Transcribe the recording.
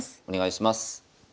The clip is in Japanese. お願いします。